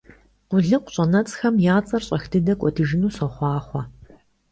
Къулыкъу щӀэнэцӀхэм я цӀэр щӀэх дыдэ кӀуэдыжыну сохъуахъуэ!